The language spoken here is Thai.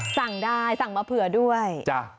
สั่งได้สั่งมาเผื่อด้วย